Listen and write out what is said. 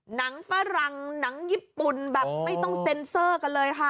ฝรั่งหนังญี่ปุ่นแบบไม่ต้องเซ็นเซอร์กันเลยค่ะ